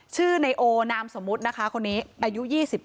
ชื่อเนโอนามสมุทรอายุ๒๗